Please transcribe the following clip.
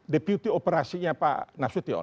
deputy operasinya pak nasution